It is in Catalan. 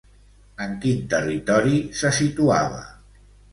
En quin territori se situava?